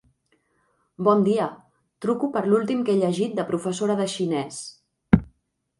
Bon dia, truco per l'últim que he llegit de professora de xinès.